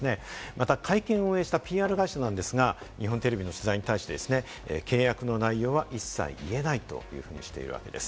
また会見を運営したＰＲ会社は、日本テレビの取材に対して契約の内容は一切言えないとしているわけです。